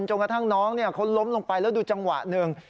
จนกระทั่งน้องเขาล้มลงไปแล้วดูจังหวะหนึ่ง